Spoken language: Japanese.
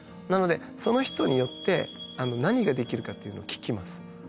なのでその人によって何ができるかっていうのを聞きます。